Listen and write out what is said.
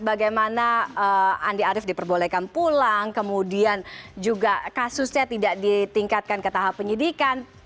bagaimana andi arief diperbolehkan pulang kemudian juga kasusnya tidak ditingkatkan ke tahap penyidikan